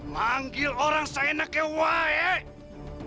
langgan orang yang seperti saya ya